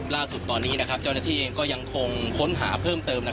ล่าสุดตอนนี้เจ้าหน้าที่เองก็ยังคงค้นหาเพิ่มเติม